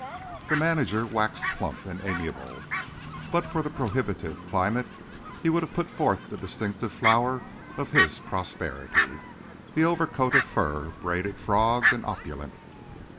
The manager waxed plump and amiable. But for the prohibitive climate he would have put forth the distinctive flower of his prosperity—the overcoat of fur, braided, frogged and opulent.